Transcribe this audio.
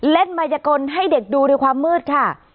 มายกลให้เด็กดูในความมืดค่ะ